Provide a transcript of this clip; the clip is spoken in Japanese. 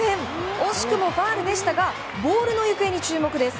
惜しくもファウルでしたがボールの行方に注目です。